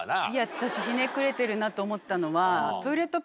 私ひねくれてるなと思ったのは。